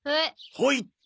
「ほい」って。